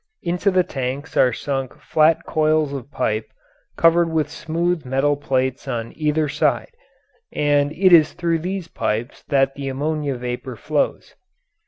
Into the tanks are sunk flat coils of pipe covered with smooth, metal plates on either side, and it is through these pipes that the ammonia vapour flows.